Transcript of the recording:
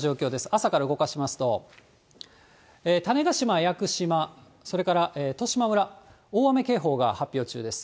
朝から動かしますと、種子島、屋久島、それから十島村、大雨警報が発表中です。